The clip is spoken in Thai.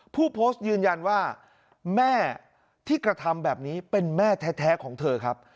ผู้โพสต์ยืนยันว่าแม่ที่กระทำแบบนี้เป็นแม่แท้ของเธอครับ